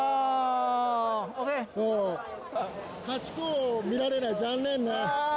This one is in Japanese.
ハチ公、見られない、残念ね。